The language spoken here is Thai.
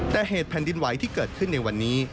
แต่เหตุแผ่นดินไหวที่เกิดขึ้นในวันนี้